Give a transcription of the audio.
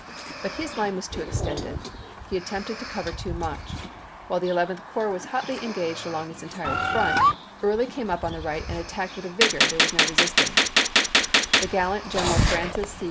But his line was too extended ; he attempted to cover too much ; while the Eleventh Corps was hotly engaged along its entire front, Early came up on the right and attacked with a vigor there was no resisting; the gallant General Francis C.